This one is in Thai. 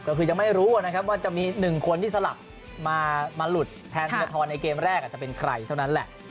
ก็คือจะไม่รู้ว่าจะมี๑คนที่สลับมาหลุดแทนทีละทอนในเกมแรกจะเป็นใครเท่านั้นแหละ